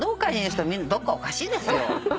みんなどっかおかしいですよ。